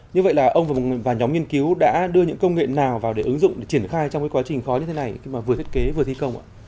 như vậy là ông và nhóm nghiên cứu đã đưa những công nghệ nào vào để ứng dụng để triển khai trong cái quá trình khói như thế này khi mà vừa thiết kế vừa thi công ạ